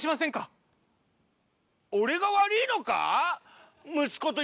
俺が悪ぃのか